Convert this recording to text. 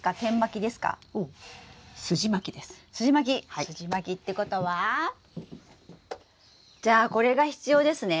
すじまきってことはじゃあこれが必要ですね。